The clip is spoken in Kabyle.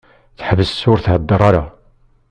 Teḥbes ur theddeṛ ara.